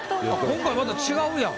今回また違うやん。